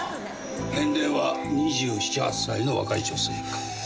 年齢は２７２８歳の若い女性か。